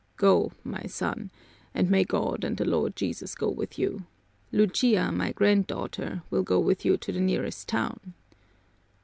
Go, my son, and may God and the Lord Jesus go with you. Lucia, my granddaughter, will go with you to the nearest town."